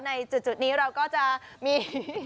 ในจุดนี้เราก็จะมี